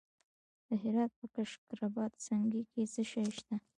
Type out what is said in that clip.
د هرات په کشک رباط سنګي کې څه شی شته؟